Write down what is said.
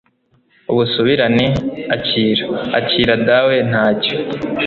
ubusubirane akira, akira dawe ntacyo